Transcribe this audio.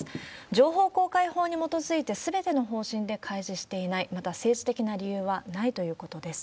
情報公開法に基づいて、すべての方針で開示していない、また、政治的な理由はないということです。